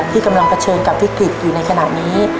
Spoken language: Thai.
ที่กำลังเผชิญกับวิกฤตอยู่ในขณะนี้